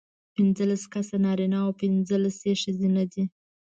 پینځلس کسه نارینه او پینځلس یې ښځینه دي.